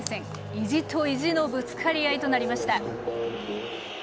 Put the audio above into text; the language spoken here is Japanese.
意地と意地のぶつかり合いとなりました。